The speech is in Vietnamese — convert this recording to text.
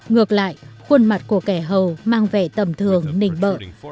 ngược lại khuôn mặt của kẻ hầu mang vẻ tầm thường nình bợ